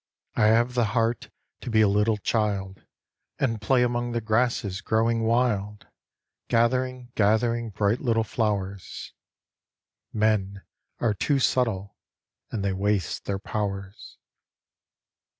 I have the heart to be a little child, And play among the grasses growing wild, Gathering, gathering bright little flowers. Men are too subtle, and they waste their powers.